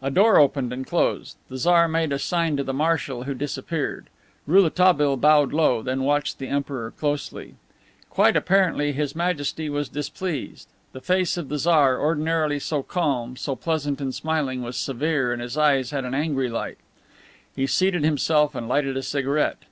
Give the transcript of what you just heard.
A door opened and closed. The Tsar made a sign to the Marshal, who disappeared. Rouletabille bowed low, then watched the Emperor closely. Quite apparently His Majesty was displeased. The face of the Tsar, ordinarily so calm, so pleasant, and smiling, was severe, and his eyes had an angry light. He seated himself and lighted a cigarette.